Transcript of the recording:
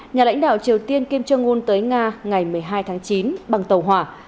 nhà lãnh đạo triều tiên kim jong un tới nga ngày một mươi hai tháng chín bằng tàu hỏa